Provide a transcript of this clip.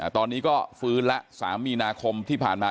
ตอนนี้ก็ฟื้นแล้ว๓มีนาคมที่ผ่านมา